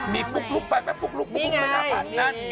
มีปุ๊กลุ๊กไปนั่นไง